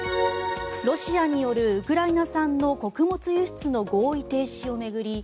ロシアによるウクライナ産の穀物輸出の合意停止を巡り